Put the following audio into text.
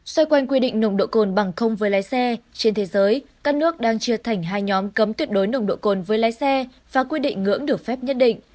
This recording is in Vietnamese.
xoay quanh quy định nồng độ cồn bằng không với lái xe trên thế giới các nước đang chia thành hai nhóm cấm tuyệt đối nồng độ cồn với lái xe và quy định ngưỡng được phép nhất định